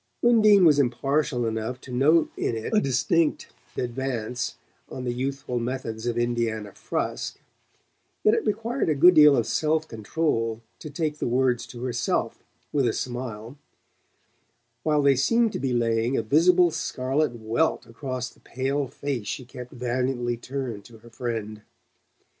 Undine was impartial enough to note in it a distinct advance on the youthful methods of Indiana Frusk; yet it required a good deal of self control to take the words to herself with a smile, while they seemed to be laying a visible scarlet welt across the pale face she kept valiantly turned to her friend.